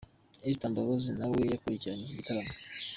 Esther Mbabazi nawe yakurikiranye iki gitaramo.